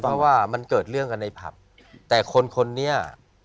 เพราะว่ามันเกิดเรื่องกันในผับแต่คนคนนี้